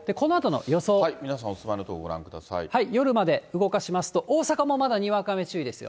皆さんお住まいの所をご覧く夜まで動かしますと、大阪もまだにわか雨注意ですよ。